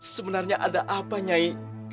sebenarnya ada apa nyai